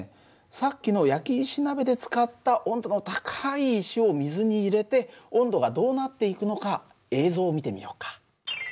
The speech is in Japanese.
さっきの焼き石鍋で使った温度の高い石を水に入れて温度がどうなっていくのか映像を見てみようか。